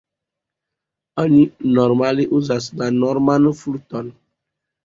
Oni normale uzas la norman fluton.